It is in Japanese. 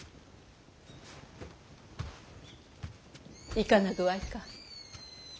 いかな具合か？